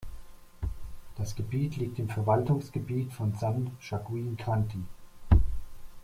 Das Gebiet liegt im Verwaltungsgebiet von San Joaquin County.